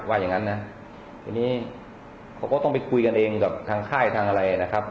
อย่างนั้นนะทีนี้เขาก็ต้องไปคุยกันเองกับทางค่ายทางอะไรนะครับ